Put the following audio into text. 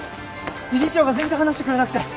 理事長が全然離してくれなくて。